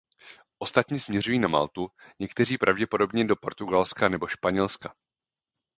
Ostatní směřují na Maltu, někteří pravděpodobně do Portugalska nebo Španělska.